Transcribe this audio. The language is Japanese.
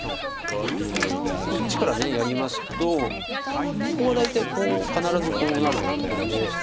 こっちからやりますとここは大体こう必ずこうなるところで。